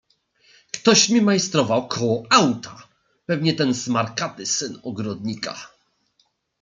"Ktoś mi majstrował koło auta; pewnie ten smarkaty, syn ogrodnika."